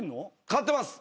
飼ってます。